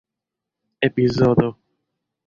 epizodo